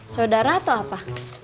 saudara atau apa